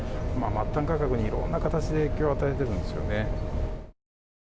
末端価格にいろんな形で影響を与えているんですよね。